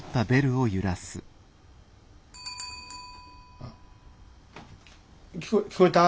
あ聞こ聞こえた？